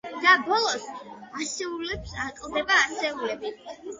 და ბოლოს, ასეულებს აკლდება ასეულები.